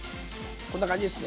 こんな感じですね